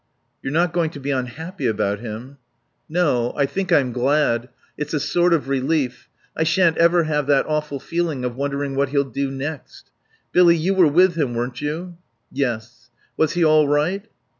"You're not going to be unhappy about him?" "No. I think I'm glad. It's a sort of relief. I shan't ever have that awful feeling of wondering what he'll do next.... Billy you were with him, weren't you?" "Yes." "Was he all right?"